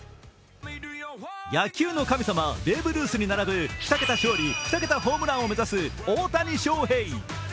野球の神様、ベーブ・ルースに並ぶ２桁勝利・２桁ホームランを目指す大谷翔平。